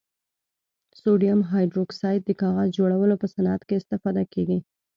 سوډیم هایدروکسایډ د کاغذ جوړولو په صنعت کې استفاده کیږي.